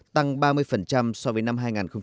tăng ba mươi so với năm hai nghìn một mươi bảy